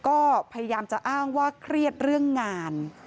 ก็พยายามจะอ้างว่าเครียดเรื่องงาน